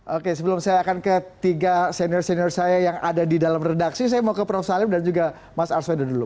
oke sebelum saya akan ke tiga senior senior saya yang ada di dalam redaksi saya mau ke prof salim dan juga mas arswendo dulu